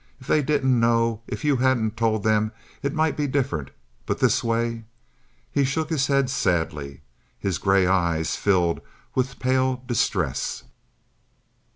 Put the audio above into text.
If they didn't know, if you hadn't told them, it might be different, but this way—" He shook his head sadly, his gray eyes filled with a pale distress.